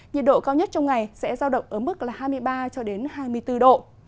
nhiệt độ cao nhất trong ngày sẽ giao động ở mức hai mươi ba hai mươi bốn độ